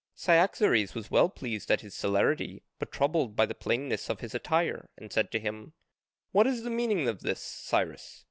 Cyaxares was well pleased at his celerity, but troubled by the plainness of his attire, and said to him, "What is the meaning of this, Cyrus?